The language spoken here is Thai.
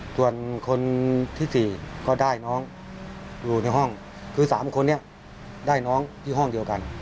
ส่วนคนที่๔ก็ได้น้องอยู่ในห้องคือ๓คนนี้ได้น้องที่ห้องเดียวกัน